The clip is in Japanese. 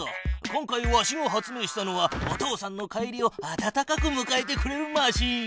今回わしが発明したのはお父さんの帰りを温かくむかえてくれるマシーン。